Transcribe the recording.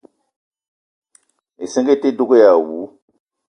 Issinga ite dug èè àwu